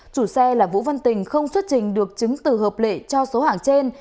chủ xe là vũ văn tình không xuất trình được chứng từ hợp lệ cho số hàng trên